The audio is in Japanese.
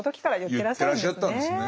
言ってらっしゃったんですね。